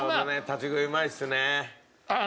立ち食いうまいっすね。